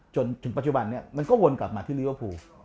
จนถึงปัจจุบันนี้มันก็วนกลับมาที่ลิเวอร์พูล